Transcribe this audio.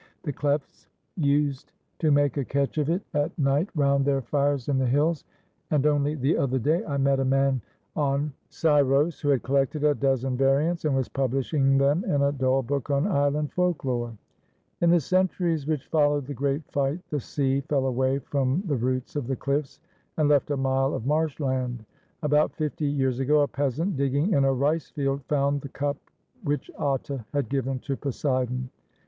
The Klephts used to make a catch of it at night no I THE LEMNIAN: A STORY OF THERMOPYL/E round their fires in the hills, and only the other day I met a man on Scyros who had collected a dozen variants and was publishing them in a dull book on island folklore. In the centuries which followed the great fight, the sea fell away from the roots of the cliffs, and left a mile of marshland. About fifty years ago a peasant, digging in a rice field, found the cup which Atta had given to Poseidon.